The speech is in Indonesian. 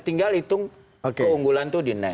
tinggal hitung keunggulan itu di enam